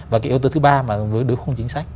và yếu tố thứ ba với đối khung chính sách